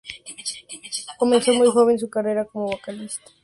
Comenzó muy joven su carrera como vocalista.